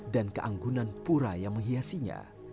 dan keanggunan pura yang menghiasinya